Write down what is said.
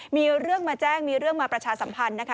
มีเรื่องมาแจ้งมีเรื่องมาประชาสัมพันธ์นะคะ